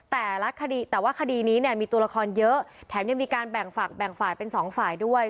แต่ละคดีแต่ว่าคดีนี้เนี่ยมีตัวละครเยอะแถมยังมีการแบ่งฝากแบ่งฝ่ายเป็นสองฝ่ายด้วย